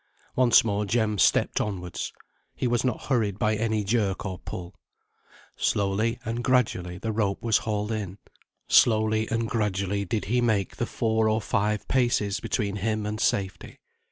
Once more Jem stepped onwards. He was not hurried by any jerk or pull. Slowly and gradually the rope was hauled in, slowly and gradually did he make the four or five paces between him and safety.